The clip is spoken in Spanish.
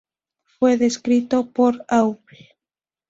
Fue descrito por Aubl.